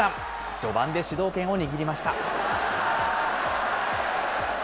序盤で主導権を握りました。